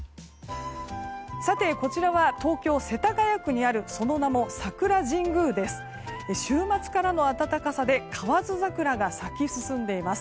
こちらは東京・世田谷区にあるその名も桜神宮です。